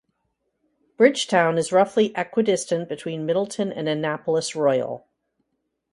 Bridgetown is roughly equidistant between Middleton and Annapolis Royal.